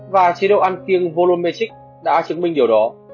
và chế độ ăn kiêng volumetric đã chứng minh điều đó